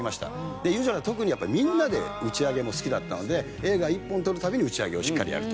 で裕次郎さん特にみんなで打ち上げも好きだったので映画１本撮る度に打ち上げをしっかりやると。